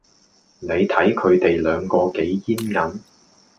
你睇佢地兩個幾煙韌